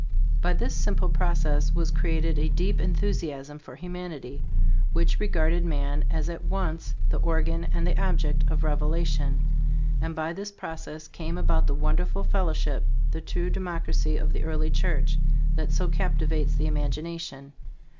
By this simple process was created a deep enthusiasm for humanity; which regarded man as at once the organ and the object of revelation; and by this process came about the wonderful fellowship, the true democracy of the early Church, that so captivates the imagination.